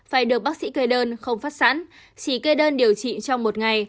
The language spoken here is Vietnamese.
phải được bác sĩ kê đơn không phát sẵn chỉ kê đơn điều trị trong một ngày